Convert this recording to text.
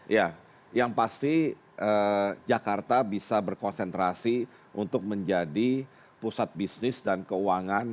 ya yang pasti jakarta bisa berkonsentrasi untuk menjadi pusat bisnis dan keuangan